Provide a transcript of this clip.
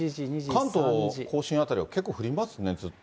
関東甲信辺りは結構降りますね、ずっと。